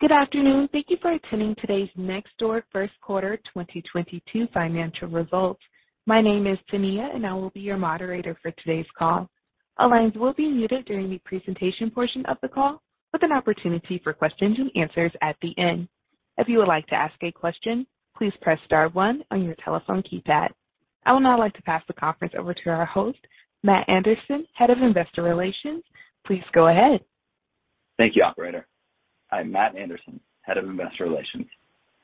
Good afternoon. Thank you for attending today's Nextdoor first quarter 2022 financial results. My name is Tania, and I will be your moderator for today's call. All lines will be muted during the presentation portion of the call, with an opportunity for questions and answers at the end. If you would like to ask a question, please press star one on your telephone keypad. I would now like to pass the conference over to our host, Matt Anderson, Head of Investor Relations. Please go ahead. Thank you, operator. I'm Matt Anderson, Head of Investor Relations.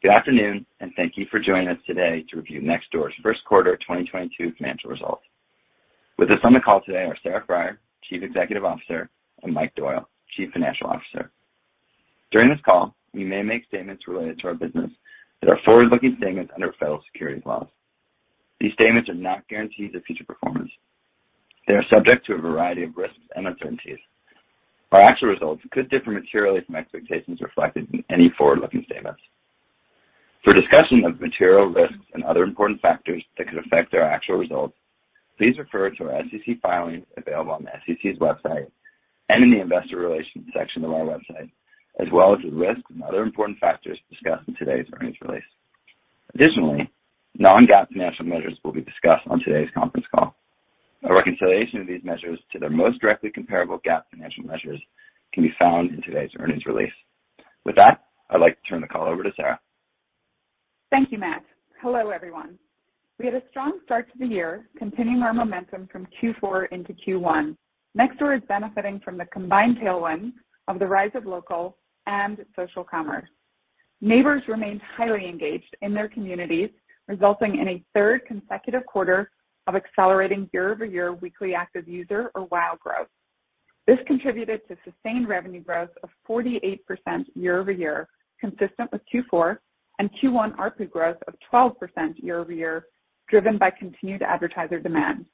Good afternoon, and thank you for joining us today to review Nextdoor's first quarter 2022 financial results. With us on the call today are Sarah Friar, Chief Executive Officer, and Mike Doyle, Chief Financial Officer. During this call, we may make statements related to our business that are forward-looking statements under federal securities laws. These statements are not guarantees of future performance. They are subject to a variety of risks and uncertainties. Our actual results could differ materially from expectations reflected in any forward-looking statements. For a discussion of material risks and other important factors that could affect our actual results, please refer to our SEC filings available on the SEC's website and in the investor relations section of our website, as well as the risks and other important factors discussed in today's earnings release. Additionally, non-GAAP financial measures will be discussed on today's conference call. A reconciliation of these measures to their most directly comparable GAAP financial measures can be found in today's earnings release. With that, I'd like to turn the call over to Sarah. Thank you, Matt. Hello, everyone. We had a strong start to the year, continuing our momentum from Q4 into Q1. Nextdoor is benefiting from the combined tailwind of the rise of local and social commerce. Neighbors remained highly engaged in their communities, resulting in a third consecutive quarter of accelerating year-over-year weekly active user, or WAU, growth. This contributed to sustained revenue growth of 48% year-over-year, consistent with Q4, and Q1 ARPU growth of 12% year-over-year, driven by continued advertiser demand.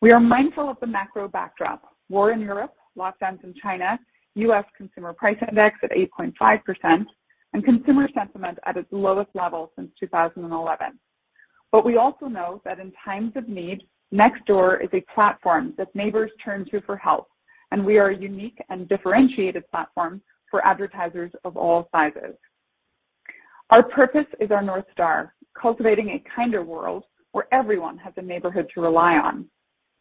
We are mindful of the macro backdrop, war in Europe, lockdowns in China, U.S. Consumer Price Index at 8.5%, and consumer sentiment at its lowest level since 2011. We also know that in times of need, Nextdoor is a platform that neighbors turn to for help, and we are a unique and differentiated platform for advertisers of all sizes. Our purpose is our North Star, cultivating a kinder world where everyone has a neighborhood to rely on.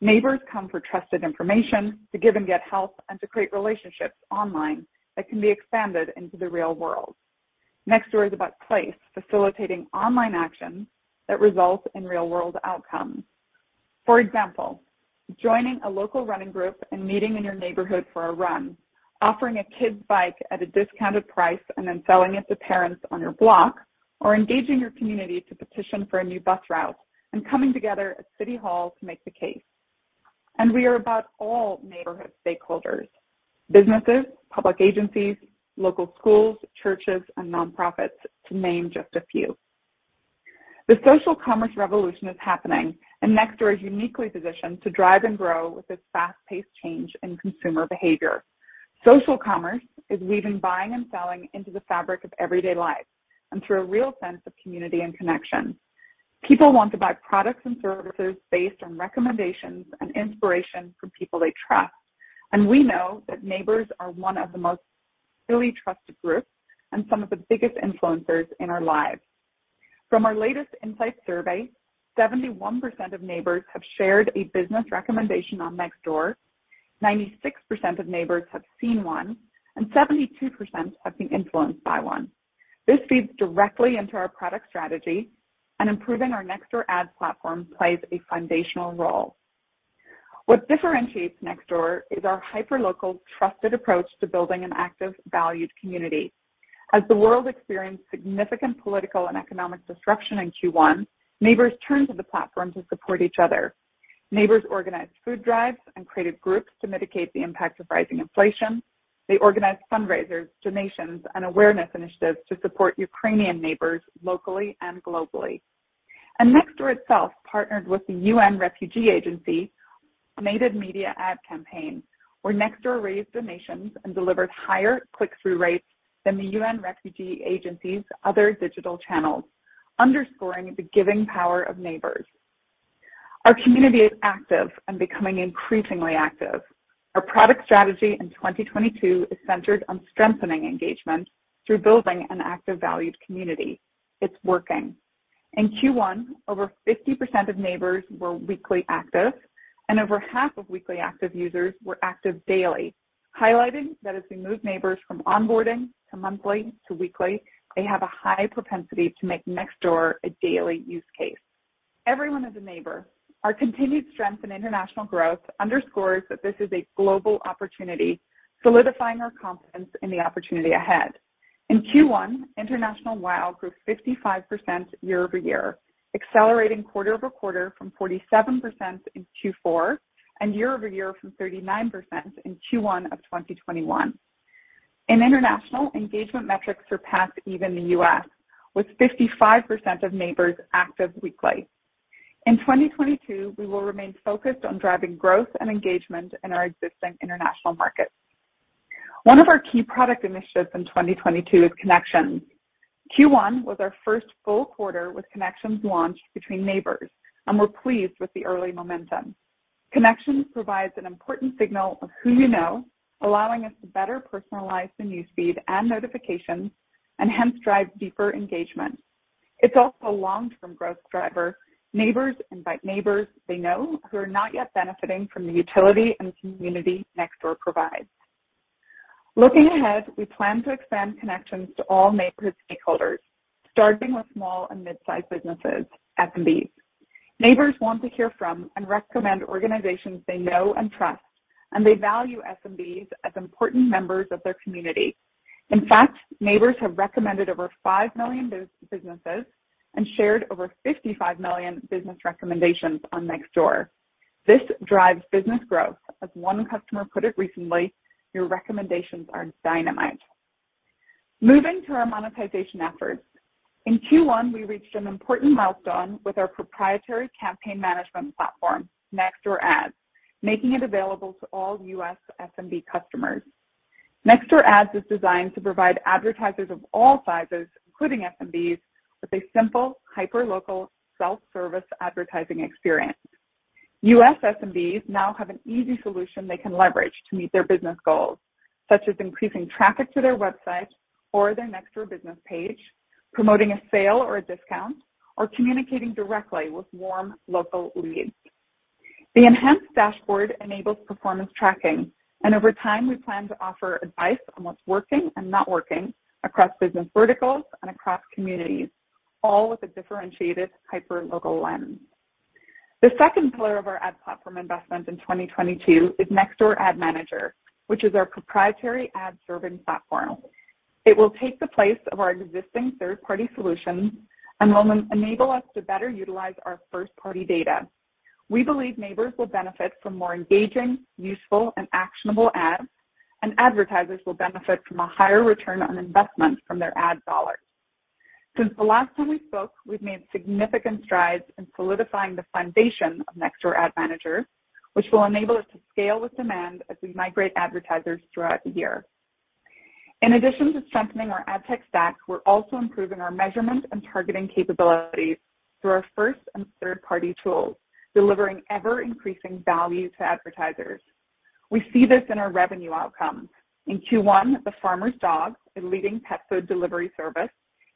Neighbors come for trusted information, to give and get help, and to create relationships online that can be expanded into the real world. Nextdoor is about place, facilitating online action that results in real-world outcomes. For example, joining a local running group and meeting in your neighborhood for a run, offering a kid's bike at a discounted price and then selling it to parents on your block, or engaging your community to petition for a new bus route and coming together at City Hall to make the case. We are about all neighborhood stakeholders, businesses, public agencies, local schools, churches, and nonprofits, to name just a few. The social commerce revolution is happening, and Nextdoor is uniquely positioned to drive and grow with this fast-paced change in consumer behavior. Social commerce is weaving buying and selling into the fabric of everyday life and through a real sense of community and connection. People want to buy products and services based on recommendations and inspiration from people they trust. We know that neighbors are one of the most truly trusted groups and some of the biggest influencers in our lives. From our latest insight survey, 71% of neighbors have shared a business recommendation on Nextdoor, 96% of neighbors have seen one, and 72% have been influenced by one. This feeds directly into our product strategy, and improving our Nextdoor ad platform plays a foundational role. What differentiates Nextdoor is our hyperlocal trusted approach to building an active, valued community. As the world experienced significant political and economic disruption in Q1, neighbors turned to the platform to support each other. Neighbors organized food drives and created groups to mitigate the impact of rising inflation. They organized fundraisers, donations, and awareness initiatives to support Ukrainian neighbors locally and globally. Nextdoor itself partnered with the UN Refugee Agency on a native media ad campaign, where Nextdoor raised donations and delivered higher click-through rates than the UN Refugee Agency's other digital channels, underscoring the giving power of neighbors. Our community is active and becoming increasingly active. Our product strategy in 2022 is centered on strengthening engagement through building an active, valued community. It's working. In Q1, over 50% of neighbors were weekly active, and over half of weekly active users were active daily, highlighting that as we move neighbors from onboarding to monthly to weekly, they have a high propensity to make Nextdoor a daily use case. Everyone is a neighbor. Our continued strength in international growth underscores that this is a global opportunity, solidifying our confidence in the opportunity ahead. In Q1, international WAU grew 55% year-over-year, accelerating quarter-over-quarter from 47% in Q4 and year-over-year from 39% in Q1 of 2021. In international, engagement metrics surpassed even the U.S., with 55% of neighbors active weekly. In 2022, we will remain focused on driving growth and engagement in our existing international markets. One of our key product initiatives in 2022 is Connections. Q1 was our first full quarter with Connections launched between neighbors, and we're pleased with the early momentum. Connections provides an important signal of who you know, allowing us to better personalize the newsfeed and notifications and hence drive deeper engagement. It's also a long-term growth driver. Neighbors invite neighbors they know who are not yet benefiting from the utility and community Nextdoor provides. Looking ahead, we plan to expand Connections to all neighborhood stakeholders, starting with small and mid-sized businesses, SMBs. Neighbors want to hear from and recommend organizations they know and trust, and they value SMBs as important members of their community. In fact, neighbors have recommended over 5 million businesses and shared over 55 million business recommendations on Nextdoor. This drives business growth. As one customer put it recently, "Your recommendations are dynamite." Moving to our monetization efforts. In Q1, we reached an important milestone with our proprietary campaign management platform, Nextdoor Ads, making it available to all U.S. SMB customers. Nextdoor Ads is designed to provide advertisers of all sizes, including SMBs, with a simple, hyperlocal, self-service advertising experience. U.S. SMBs now have an easy solution they can leverage to meet their business goals, such as increasing traffic to their website or their Nextdoor business page, promoting a sale or a discount, or communicating directly with warm local leads. The enhanced dashboard enables performance tracking, and over time, we plan to offer advice on what's working and not working across business verticals and across communities, all with a differentiated hyperlocal lens. The second pillar of our ad platform investment in 2022 is Nextdoor Ad Manager, which is our proprietary ad-serving platform. It will take the place of our existing third-party solutions and will enable us to better utilize our first-party data. We believe neighbors will benefit from more engaging, useful, and actionable ads, and advertisers will benefit from a higher return on investment from their ad dollars. Since the last time we spoke, we've made significant strides in solidifying the foundation of Nextdoor Ad Manager, which will enable us to scale with demand as we migrate advertisers throughout the year. In addition to strengthening our ad tech stack, we're also improving our measurement and targeting capabilities through our first and third-party tools, delivering ever-increasing value to advertisers. We see this in our revenue outcomes. In Q1, The Farmer's Dog, a leading pet food delivery service,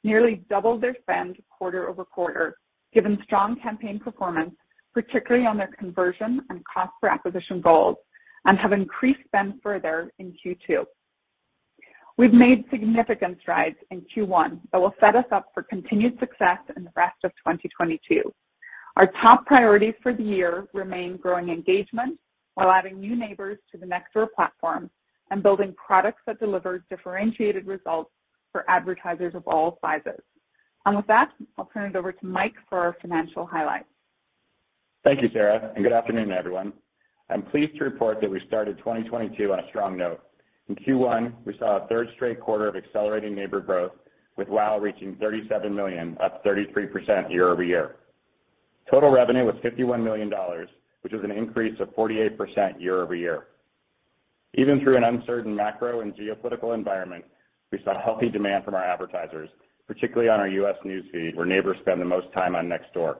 nearly doubled their spend quarter-over-quarter, given strong campaign performance, particularly on their conversion and cost per acquisition goals, and have increased spend further in Q2. We've made significant strides in Q1 that will set us up for continued success in the rest of 2022. Our top priorities for the year remain growing engagement while adding new neighbors to the Nextdoor platform and building products that deliver differentiated results for advertisers of all sizes. With that, I'll turn it over to Mike for our financial highlights. Thank you, Sarah, and good afternoon, everyone. I'm pleased to report that we started 2022 on a strong note. In Q1, we saw a third straight quarter of accelerating neighbor growth, with WAU reaching 37 million, up 33% year-over-year. Total revenue was $51 million, which is an increase of 48% year-over-year. Even through an uncertain macro and geopolitical environment, we saw healthy demand from our advertisers, particularly on our U.S. newsfeed, where neighbors spend the most time on Nextdoor.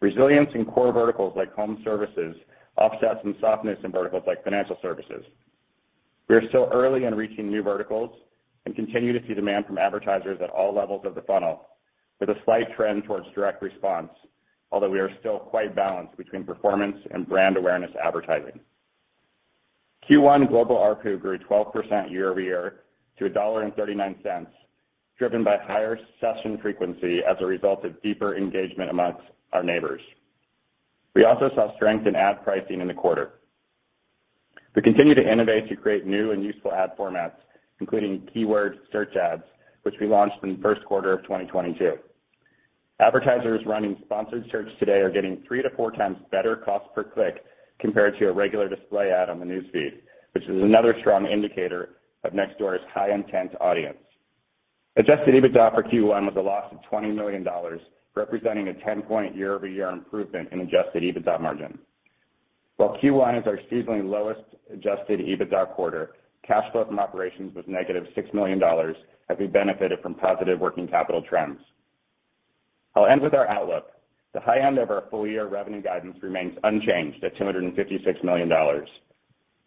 Resilience in core verticals like home services offsets some softness in verticals like financial services. We are still early in reaching new verticals and continue to see demand from advertisers at all levels of the funnel, with a slight trend towards direct response, although we are still quite balanced between performance and brand awareness advertising. Q1 global ARPU grew 12% year-over-year to $1.39, driven by higher session frequency as a result of deeper engagement amongst our neighbors. We also saw strength in ad pricing in the quarter. We continue to innovate to create new and useful ad formats, including keyword search ads, which we launched in the first quarter of 2022. Advertisers running sponsored search today are getting 3-4 times better cost per click compared to a regular display ad on the newsfeed, which is another strong indicator of Nextdoor's high-intent audience. Adjusted EBITDA for Q1 was a loss of $20 million, representing a 10-point year-over-year improvement in adjusted EBITDA margin. While Q1 is our seasonally lowest adjusted EBITDA quarter, cash flow from operations was -$6 million as we benefited from positive working capital trends. I'll end with our outlook. The high end of our full-year revenue guidance remains unchanged at $256 million.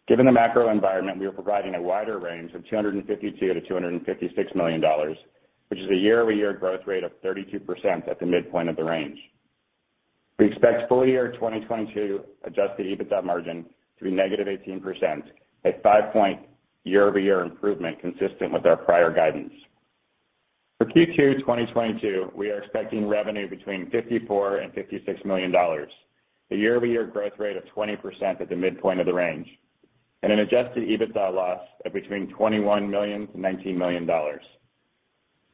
Given the macro environment, we are providing a wider range of $252 million-$256 million, which is a year-over-year growth rate of 32% at the midpoint of the range. We expect full-year 2022 adjusted EBITDA margin to be -18%, a five-point year-over-year improvement consistent with our prior guidance. For Q2 2022, we are expecting revenue between $54 million-$56 million, a year-over-year growth rate of 20% at the midpoint of the range, and an adjusted EBITDA loss of between $21 million-$19 million.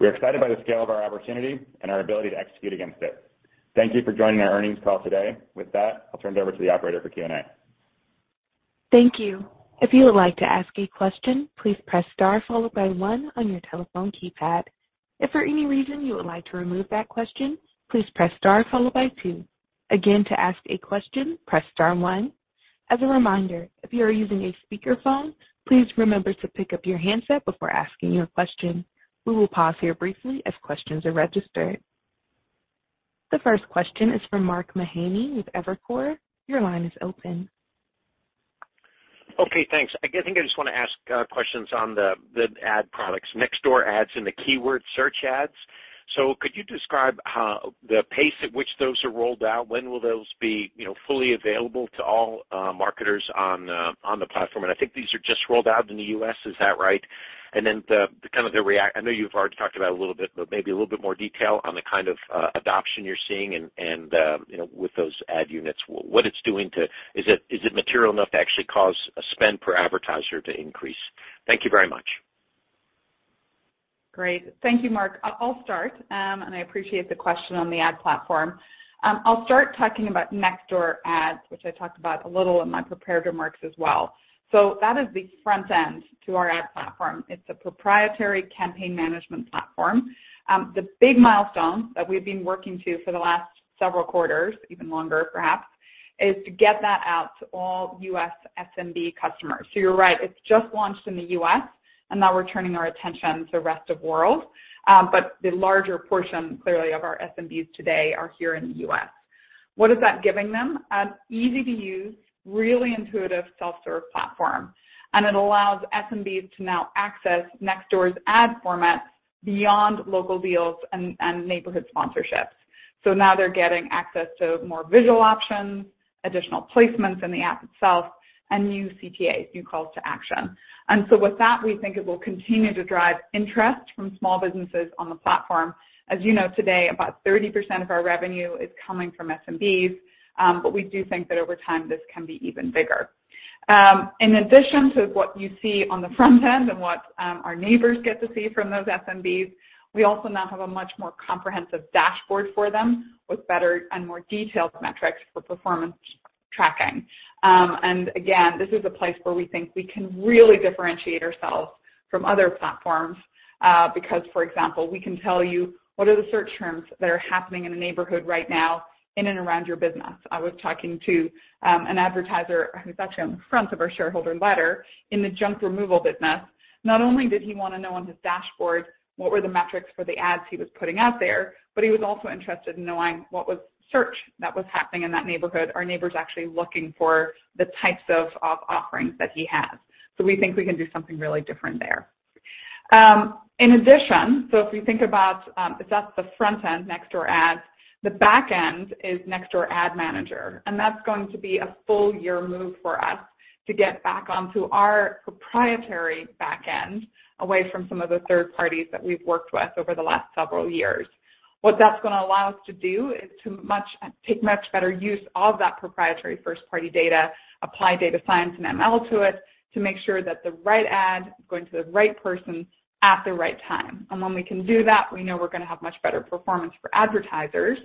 We are excited by the scale of our opportunity and our ability to execute against it. Thank you for joining our earnings call today. With that, I'll turn it over to the operator for Q&A. Thank you. If you would like to ask a question, please press star followed by one on your telephone keypad. If for any reason you would like to remove that question, please press star followed by two. Again, to ask a question, press star one. As a reminder, if you are using a speakerphone, please remember to pick up your handset before asking your question. We will pause here briefly as questions are registered. The first question is from Mark Mahaney with Evercore. Your line is open. Okay, thanks. I think I just wanna ask questions on the ad products, Nextdoor Ads and the keyword search ads. Could you describe how the pace at which those are rolled out, when will those be, you know, fully available to all marketers on the platform? I think these are just rolled out in the U.S., is that right? Then the kind of the reaction. I know you've already talked about a little bit, but maybe a little bit more detail on the kind of adoption you're seeing and, you know, with those ad units, what it's doing to. Is it material enough to actually cause a spend per advertiser to increase? Thank you very much. Great. Thank you, Mark. I'll start. I appreciate the question on the ad platform. I'll start talking about Nextdoor Ads, which I talked about a little in my prepared remarks as well. That is the front end to our ad platform. It's a proprietary campaign management platform. The big milestone that we've been working to for the last several quarters, even longer, perhaps, is to get that out to all U.S. SMB customers. You're right, it's just launched in the U.S., and now we're turning our attention to the rest of the world. The larger portion, clearly, of our SMBs today are here in the U.S. What is that giving them? Easy to use, really intuitive self-serve platform. It allows SMBs to now access Nextdoor's ad formats beyond local deals and neighborhood sponsorships. Now they're getting access to more visual options, additional placements in the app itself, and new CTAs, new calls to action. With that, we think it will continue to drive interest from small businesses on the platform. As you know, today, about 30% of our revenue is coming from SMBs, but we do think that over time, this can be even bigger. In addition to what you see on the front end and what, our neighbors get to see from those SMBs, we also now have a much more comprehensive dashboard for them with better and more detailed metrics for performance tracking. Again, this is a place where we think we can really differentiate ourselves from other platforms, because, for example, we can tell you what are the search terms that are happening in a neighborhood right now in and around your business. I was talking to an advertiser, who's actually on the front of our shareholder letter, in the junk removal business. Not only did he wanna know on his dashboard, what were the metrics for the ads he was putting out there, but he was also interested in knowing what was search that was happening in that neighborhood. Are neighbors actually looking for the types of offerings that he has? We think we can do something really different there. In addition, if we think about, that's the front end Nextdoor Ads, the back end is Nextdoor Ad Manager, and that's going to be a full-year move for us to get back onto our proprietary back end, away from some of the third parties that we've worked with over the last several years. What that's gonna allow us to do is to make much better use of that proprietary first-party data, apply data science and ML to it to make sure that the right ad is going to the right person at the right time. When we can do that, we know we're gonna have much better performance for advertisers,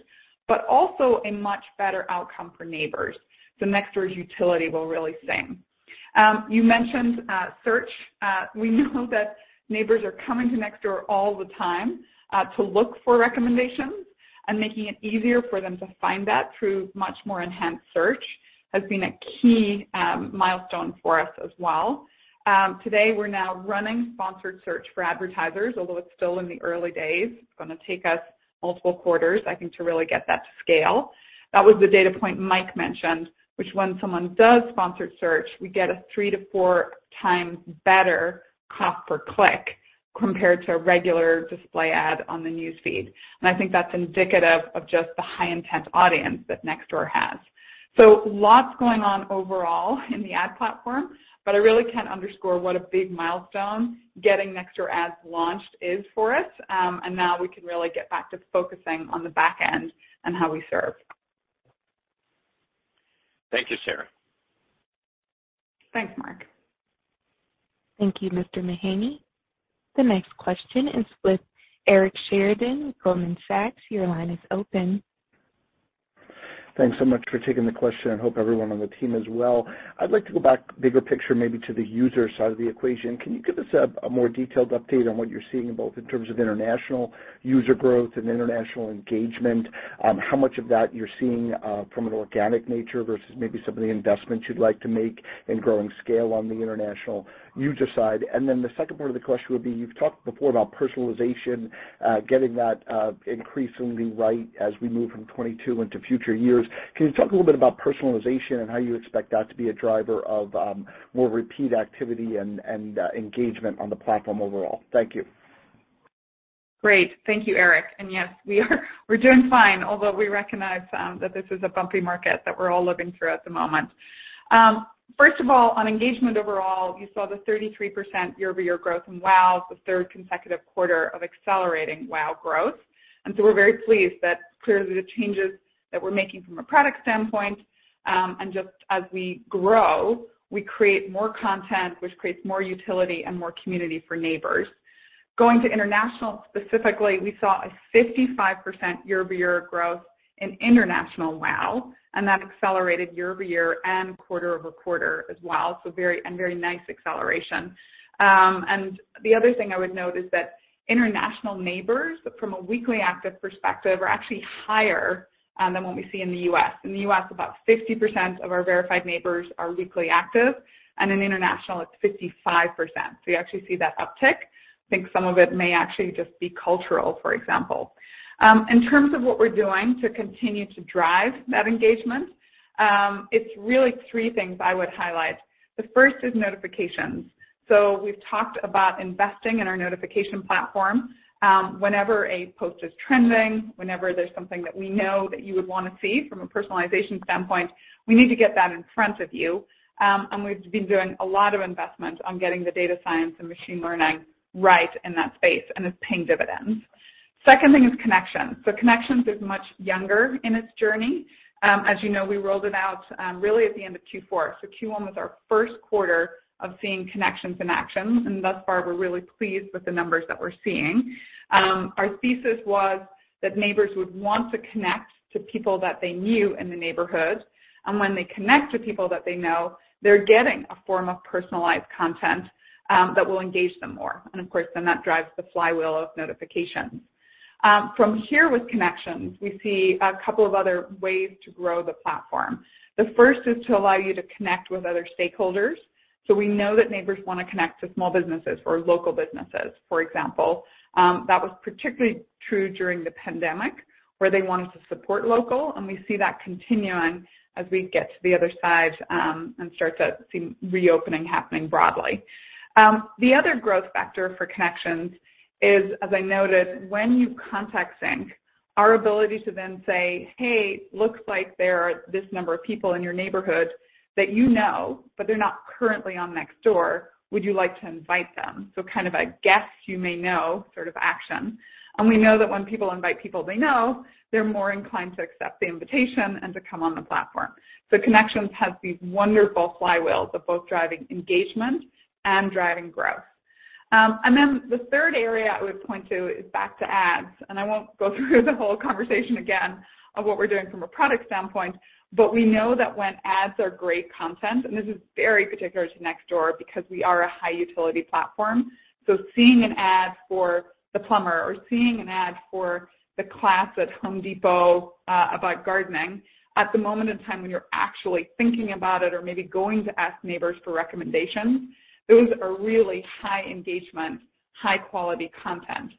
but also a much better outcome for neighbors. Nextdoor's utility will really sing. You mentioned search. We know that neighbors are coming to Nextdoor all the time, to look for recommendations and making it easier for them to find that through much more enhanced search has been a key milestone for us as well. Today, we're now running sponsored search for advertisers, although it's still in the early days. It's gonna take us multiple quarters, I think, to really get that to scale. That was the data point Mike mentioned, which when someone does sponsored search, we get a 3-4 times better cost per click compared to a regular display ad on the news feed. I think that's indicative of just the high-intent audience that Nextdoor has. Lots going on overall in the ad platform, but I really can't underscore what a big milestone getting Nextdoor Ads launched is for us. Now we can really get back to focusing on the back end and how we serve. Thank you, Sarah. Thanks, Mark. Thank you, Mr. Mahaney. The next question is with Eric Sheridan, Goldman Sachs. Your line is open. Thanks so much for taking the question and hope everyone on the team as well. I'd like to go back bigger picture, maybe to the user side of the equation. Can you give us a more detailed update on what you're seeing both in terms of international user growth and international engagement? How much of that you're seeing from an organic nature versus maybe some of the investments you'd like to make in growing scale on the international user side? The second part of the question would be, you've talked before about personalization getting that increasingly right as we move from 2022 into future years. Can you talk a little bit about personalization and how you expect that to be a driver of more repeat activity and engagement on the platform overall? Thank you. Great. Thank you, Eric. Yes, we're doing fine, although we recognize that this is a bumpy market that we're all living through at the moment. First of all, on engagement overall, you saw the 33% year-over-year growth in WAU, the third consecutive quarter of accelerating WAU growth. We're very pleased that clearly the changes that we're making from a product standpoint, and just as we grow, we create more content, which creates more utility and more community for neighbors. Going to international, specifically, we saw a 55% year-over-year growth in international WAU, and that accelerated year-over-year and quarter-over-quarter as well, so very nice acceleration. The other thing I would note is that international neighbors, from a weekly active perspective, are actually higher than what we see in the U.S. In the U.S., about 50% of our verified neighbors are weekly active, and in international, it's 55%. You actually see that uptick. I think some of it may actually just be cultural, for example. In terms of what we're doing to continue to drive that engagement, it's really three things I would highlight. The first is notifications. We've talked about investing in our notification platform. Whenever a post is trending, whenever there's something that we know that you would wanna see from a personalization standpoint, we need to get that in front of you. We've been doing a lot of investment on getting the data science and machine learning right in that space, and it's paying dividends. Second thing is Connections. Connections is much younger in its journey. As you know, we rolled it out really at the end of Q4. Q1 was our first quarter of seeing Connections in action, and thus far, we're really pleased with the numbers that we're seeing. Our thesis was that neighbors would want to connect to people that they knew in the neighborhood. When they connect to people that they know, they're getting a form of personalized content that will engage them more. Of course, then that drives the flywheel of notifications. From here with Connections, we see a couple of other ways to grow the platform. The first is to allow you to connect with other stakeholders. We know that neighbors wanna connect to small businesses or local businesses, for example. That was particularly true during the pandemic, where they wanted to support local, and we see that continuing as we get to the other side, and start to see reopening happening broadly. The other growth factor for Connections is, as I noted, when you sync contacts, our ability to then say, "Hey, looks like there are this number of people in your neighborhood that you know, but they're not currently on Nextdoor. Would you like to invite them?" Kind of a people you may know sort of action. We know that when people invite people they know, they're more inclined to accept the invitation and to come on the platform. Connections has these wonderful flywheels of both driving engagement and driving growth. The third area I would point to is back to ads, and I won't go through the whole conversation again of what we're doing from a product standpoint. We know that when ads are great content, and this is very particular to Nextdoor because we are a high utility platform. Seeing an ad for the plumber or seeing an ad for the class at The Home Depot, about gardening, at the moment in time when you're actually thinking about it or maybe going to ask neighbors for recommendations, those are really high engagement, high-quality content.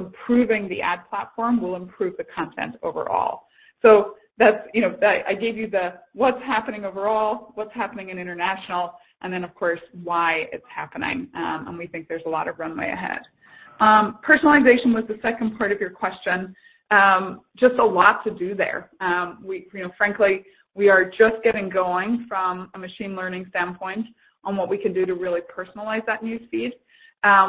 Improving the ad platform will improve the content overall. That's, you know, I gave you the what's happening overall, what's happening in international, and then, of course, why it's happening. We think there's a lot of runway ahead. Personalization was the second part of your question. Just a lot to do there. We, you know, frankly, we are just getting going from a machine learning standpoint on what we can do to really personalize that news feed.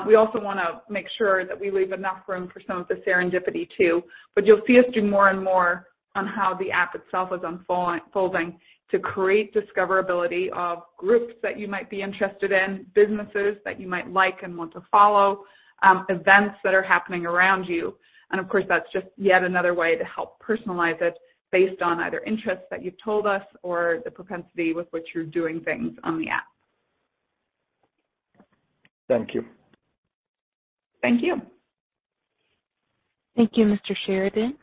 We also wanna make sure that we leave enough room for some of the serendipity too. You'll see us do more and more on how the app itself is unfolding to create discoverability of groups that you might be interested in, businesses that you might like and want to follow, events that are happening around you. Of course, that's just yet another way to help personalize it based on either interests that you've told us or the propensity with which you're doing things on the app. Thank you. Thank you. Thank you, Mr. Sheridan.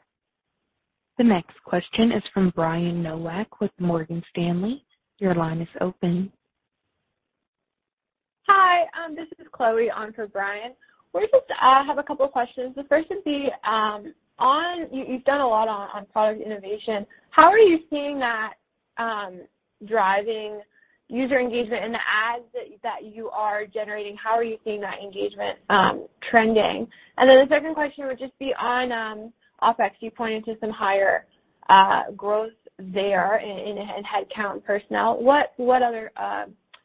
The next question is from Brian Nowak with Morgan Stanley. Your line is open. Hi, this is Chloe on for Brian. We just have a couple of questions. The first would be on you. You've done a lot on product innovation. How are you seeing that driving user engagement in the ads that you are generating? How are you seeing that engagement trending? And then the second question would just be on OpEx. You pointed to some higher growth there in headcount personnel. What other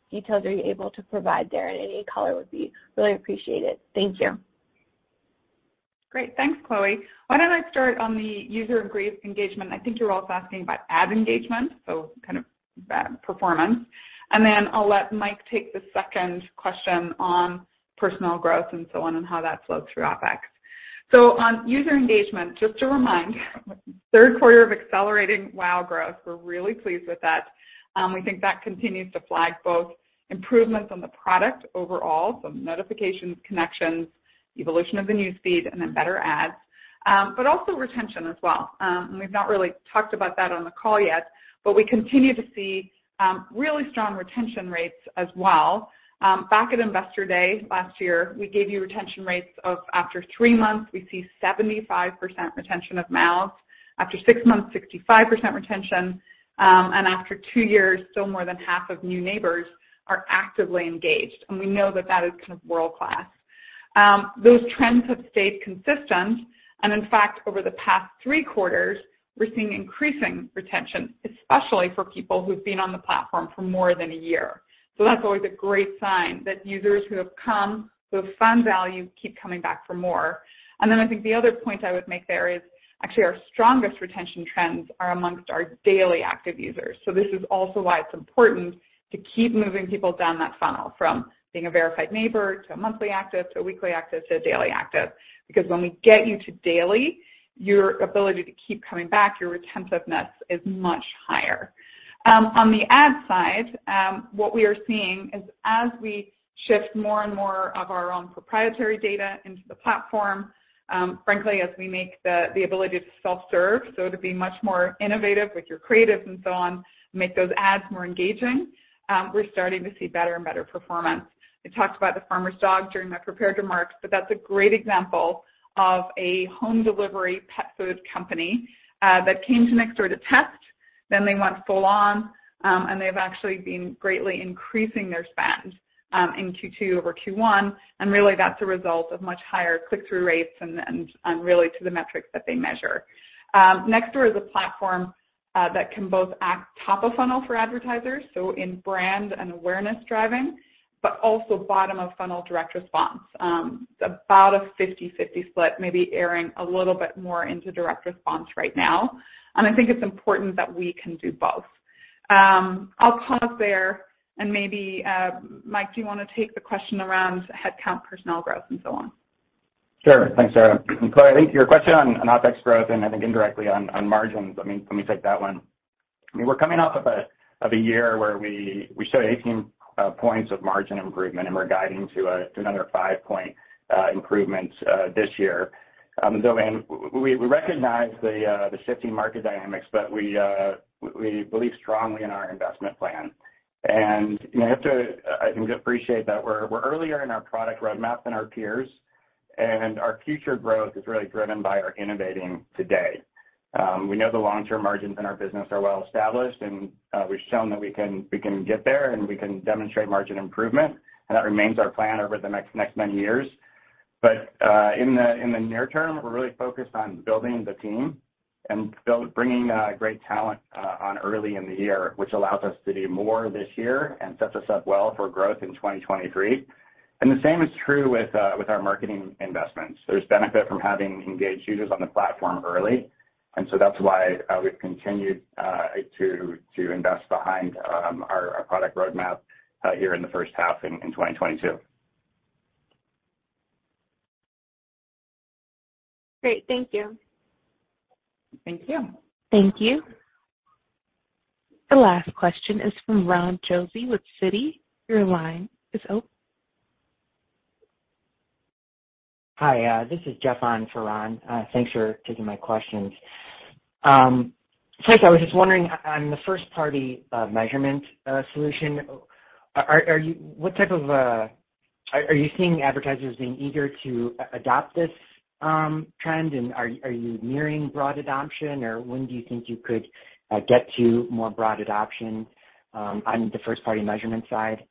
details are you able to provide there? And any color would be really appreciated. Thank you. Great. Thanks, Chloe. Why don't I start on the user engagement? I think you're also asking about ad engagement, so kind of that performance. I'll let Mike take the second question on personnel growth and so on and how that flows through OpEx. On user engagement, just a reminder, third quarter of accelerating WAU growth. We're really pleased with that. We think that continues to reflect both improvements on the product overall, so notifications, Connections, evolution of the newsfeed, and then better ads, but also retention as well. We've not really talked about that on the call yet, but we continue to see really strong retention rates as well. Back at Investor Day last year, we gave you retention rates. After three months, we see 75% retention of MAUs. After six months, 65% retention, and after two years, still more than half of new neighbors are actively engaged. We know that that is kind of world-class. Those trends have stayed consistent. In fact, over the past three quarters, we're seeing increasing retention, especially for people who've been on the platform for more than a year. That's always a great sign that users who have come, who have found value, keep coming back for more. Then I think the other point I would make there is actually our strongest retention trends are among our daily active users. This is also why it's important to keep moving people down that funnel from being a verified neighbor to a monthly active, to a weekly active, to a daily active. Because when we get you to daily, your ability to keep coming back, your retentiveness is much higher. On the ad side, what we are seeing is as we shift more and more of our own proprietary data into the platform, frankly, as we make the ability to self-serve, so to be much more innovative with your creatives and so on, make those ads more engaging, we're starting to see better and better performance. We talked about The Farmer's Dog during my prepared remarks, but that's a great example of a home delivery pet food company that came to Nextdoor to test, then they went full on, and they've actually been greatly increasing their spend in Q2 over Q1. Really, that's a result of much higher click-through rates and really to the metrics that they measure. Nextdoor is a platform that can both act top of funnel for advertisers, so in brand and awareness driving, but also bottom of funnel direct response. It's about a 50/50 split, maybe erring a little bit more into direct response right now. I think it's important that we can do both. I'll pause there and maybe Mike, do you wanna take the question around headcount, personnel growth and so on? Sure. Thanks, Sarah. Chloe, I think your question on OpEx growth and I think indirectly on margins, I mean, let me take that one. I mean, we're coming off of a year where we showed 18 points of margin improvement, and we're guiding to another five-point improvements this year. We recognize the shifting market dynamics, but we believe strongly in our investment plan. You know, you have to, I think appreciate that we're earlier in our product roadmap than our peers, and our future growth is really driven by our innovating today. We know the long-term margins in our business are well established, and we've shown that we can get there, and we can demonstrate margin improvement, and that remains our plan over the next many years. In the near term, we're really focused on building the team and bringing great talent on early in the year, which allows us to do more this year and sets us up well for growth in 2023. The same is true with our marketing investments. There's benefit from having engaged users on the platform early, and so that's why we've continued to invest behind our product roadmap here in the first half in 2022. Great. Thank you. Thank you. Thank you. The last question is from Ron Josey with Citi. Your line is open. Hi, this is Jeff on for Ron. Thanks for taking my questions. First, I was just wondering on the first-party measurement solution. Are you seeing advertisers being eager to adopt this trend? Are you nearing broad adoption or when do you think you could get to more broad adoption on the first-party measurement side?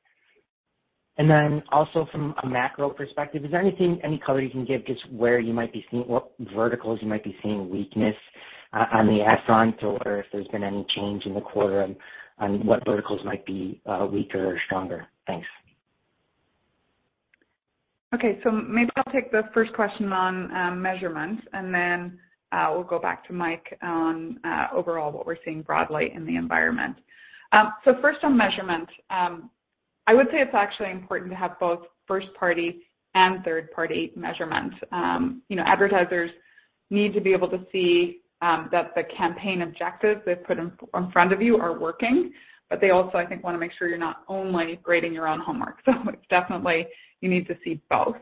From a macro perspective, is there anything, any color you can give just where you might be seeing what verticals you might be seeing weakness on the ad front, or if there's been any change in the quarter on what verticals might be weaker or stronger? Thanks. Okay. Maybe I'll take the first question on measurement and then we'll go back to Mike on overall what we're seeing broadly in the environment. First on measurement, I would say it's actually important to have both first party and third party measurement. You know, advertisers need to be able to see that the campaign objectives they've put in front of you are working, but they also, I think, wanna make sure you're not only grading your own homework. It's definitely you need to see both.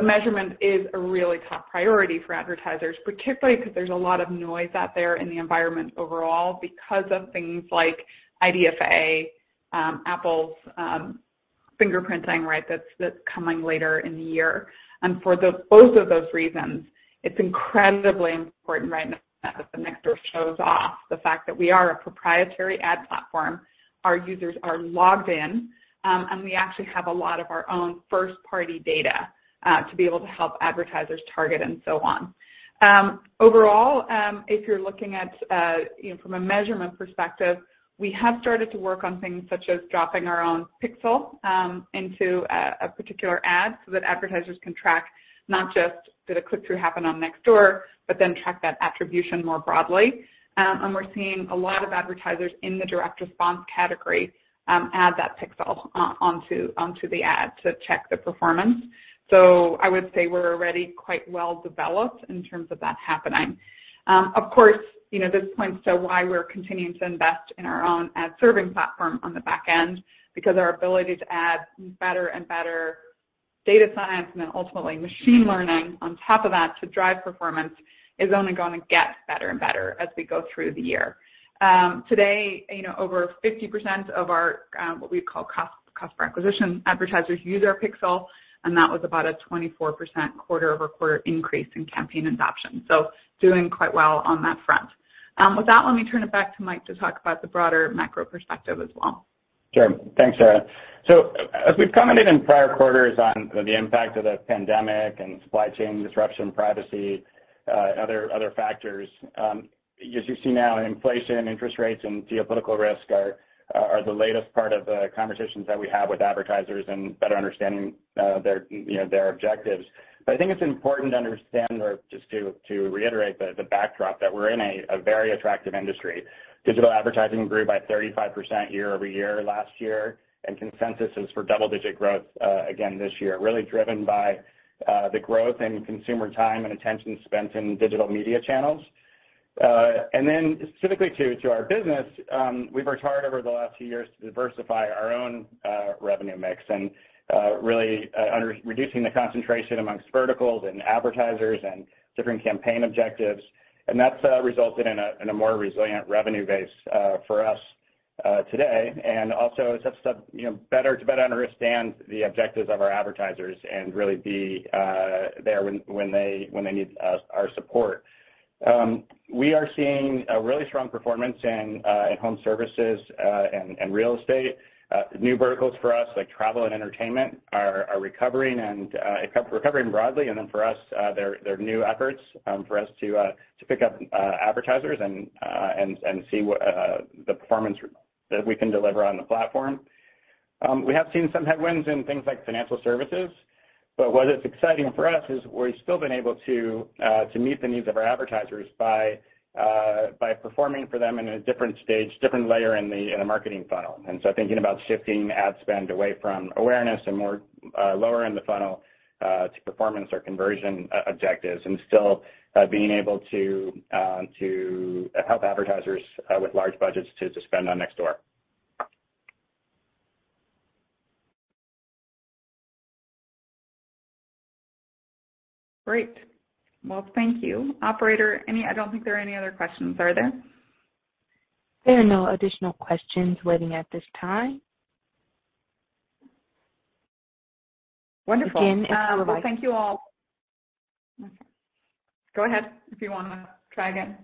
Measurement is a really top priority for advertisers, particularly 'cause there's a lot of noise out there in the environment overall because of things like IDFA, Apple's fingerprinting, right, that's coming later in the year. For those both of those reasons, it's incredibly important right now that the Nextdoor shows off the fact that we are a proprietary ad platform, our users are logged in, and we actually have a lot of our own first party data to be able to help advertisers target and so on. Overall, if you're looking at you know from a measurement perspective, we have started to work on things such as dropping our own pixel into a particular ad so that advertisers can track not just did a click-through happen on Nextdoor, but then track that attribution more broadly. We're seeing a lot of advertisers in the direct response category add that pixel onto the ad to check the performance. I would say we're already quite well developed in terms of that happening. Of course, you know, this points to why we're continuing to invest in our own ad serving platform on the back end because our ability to add better and better data science and then ultimately machine learning on top of that to drive performance is only gonna get better and better as we go through the year. Today, you know, over 50% of our what we call cost customer acquisition advertisers use our pixel, and that was about a 24% quarter-over-quarter increase in campaign adoption. Doing quite well on that front. With that, let me turn it back to Mike to talk about the broader macro perspective as well. Sure. Thanks, Sarah. As we've commented in prior quarters on the impact of the pandemic and supply chain disruption, privacy, other factors, as you see now in inflation, interest rates, and geopolitical risk are the latest part of the conversations that we have with advertisers and better understanding their you know their objectives. I think it's important to understand or just to reiterate the backdrop that we're in a very attractive industry. Digital advertising grew by 35% year-over-year last year, and consensus is for double-digit growth again this year, really driven by the growth in consumer time and attention spent in digital media channels. Specifically to our business, we've worked hard over the last few years to diversify our own revenue mix and really reducing the concentration among verticals and advertisers and different campaign objectives. That's resulted in a more resilient revenue base for us today. It's helped us, you know, to better understand the objectives of our advertisers and really be there when they need our support. We are seeing a really strong performance in home services and real estate. New verticals for us like travel and entertainment are recovering broadly. Then for us, their new efforts for us to pick up advertisers and see what the performance that we can deliver on the platform. We have seen some headwinds in things like financial services, but what is exciting for us is we've still been able to meet the needs of our advertisers by performing for them in a different stage, different layer in the marketing funnel. Thinking about shifting ad spend away from awareness and more lower in the funnel to performance or conversion objectives, and still being able to help advertisers with large budgets to spend on Nextdoor. Great. Well, thank you. Operator, I don't think there are any other questions, are there? There are no additional questions waiting at this time. Wonderful. Again, if you would like. Well, thank you all. Okay. Go ahead, if you wanna try again.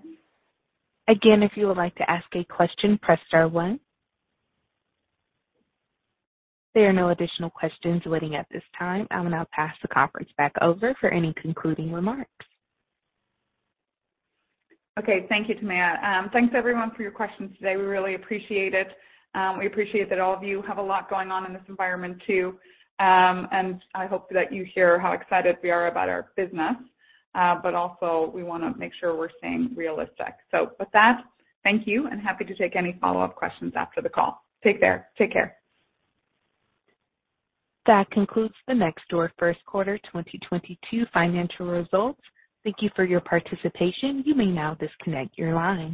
Again, if you would like to ask a question, press star one. There are no additional questions waiting at this time. I will now pass the conference back over for any concluding remarks. Okay. Thank you, Tania. Thanks everyone for your questions today. We really appreciate it. We appreciate that all of you have a lot going on in this environment too. I hope that you hear how excited we are about our business, but also we wanna make sure we're staying realistic. With that, thank you, and happy to take any follow-up questions after the call. Take care. Take care. That concludes the Nextdoor first quarter 2022 financial results. Thank you for your participation. You may now disconnect your line.